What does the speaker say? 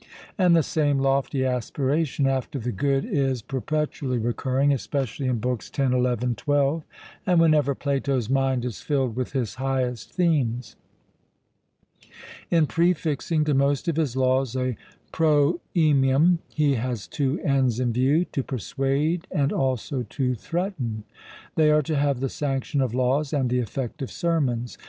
And the same lofty aspiration after the good is perpetually recurring, especially in Books X, XI, XII, and whenever Plato's mind is filled with his highest themes. In prefixing to most of his laws a prooemium he has two ends in view, to persuade and also to threaten. They are to have the sanction of laws and the effect of sermons.